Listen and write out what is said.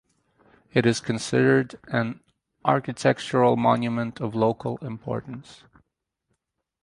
It is considered an architectural monument of local importance.